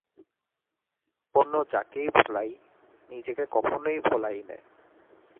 অন্য যাকেই ভোলাই, নিজেকে কখনোই ভোলাই নে।